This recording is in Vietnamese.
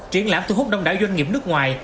triển lãm thu hút đông đảo doanh nghiệp nước ngoài